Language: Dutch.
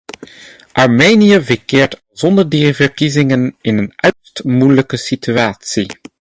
Armenië verkeerde ook al zonder die verkiezingen in een uiterst moeilijke situatie.